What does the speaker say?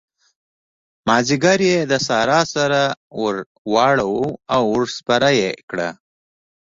مازديګر يې د سارا سر ور واړاوو او ور سپره يې کړه.